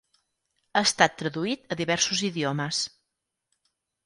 Ha estat traduït a diversos idiomes.